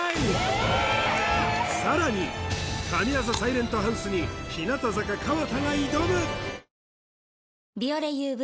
さらに神業サイレントハウスに日向坂河田が挑む「ビオレＵＶ」